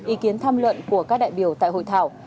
ý kiến tham luận của các đại biểu tại hội thảo